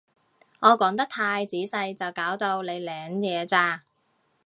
我講得太仔細就搞到你領嘢咋